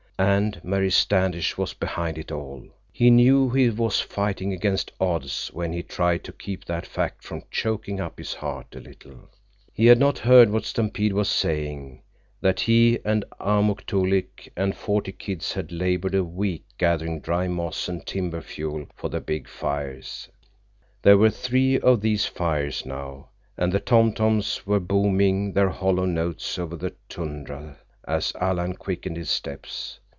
And Mary Standish was behind it all! He knew he was fighting against odds when he tried to keep that fact from choking up his heart a little. He had not heard what Stampede was saying—that he and Amuk Toolik and forty kids had labored a week gathering dry moss and timber fuel for the big fires. There were three of these fires now, and the tom toms were booming their hollow notes over the tundra as Alan quickened his steps.